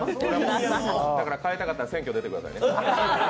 変えたかったら選挙に出てくださいね。